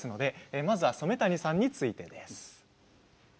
まずは染谷さんについてです。